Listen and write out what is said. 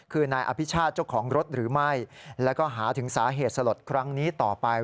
คือนายอภิชาติเจ้าของรถหรือไม่แล้วก็หาถึงสาเหตุสลดครั้งนี้ต่อไป